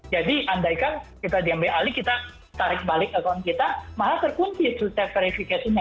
jadi andaikan kita diambil alih kita tarik balik account kita malah terkunci two step verification nya